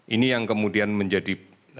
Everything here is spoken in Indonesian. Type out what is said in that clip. ini yang kemudian menjadi